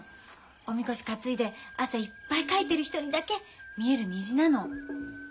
お神輿担いで汗いっぱいかいてる人にだけ見える虹なの。